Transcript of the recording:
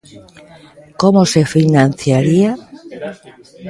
Como se financiaría?